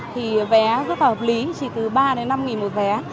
thì vé rất là hợp lý chỉ từ ba đến năm một vé